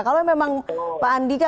kalau memang pak andika